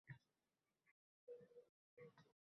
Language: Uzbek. Faqat chidash qiyin bo'lgan ayriliq.